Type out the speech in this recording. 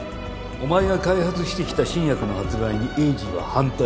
お前が開発してきた新薬の発売に栄治は反対だった